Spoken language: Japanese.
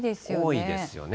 多いですよね。